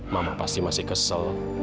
mama pasti masih kesel